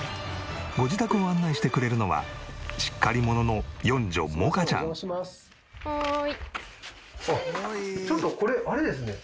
ご自宅を案内してくれるのはしっかり者のちょっとこれあれですね。